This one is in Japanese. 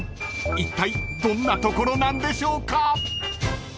［いったいどんなところなんでしょうか］